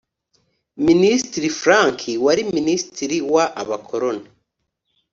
minisitiri frank wari minisitiri wa abakoloni